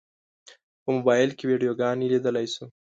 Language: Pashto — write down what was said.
په موبایل کې ویډیوګانې لیدلی شو.